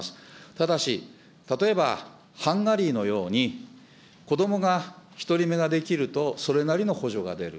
ただし、例えばハンガリーのように、子どもが１人目ができると、それなりの補助が出る。